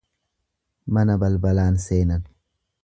Mana balbalaan seenan.